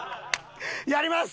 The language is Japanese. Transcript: やります！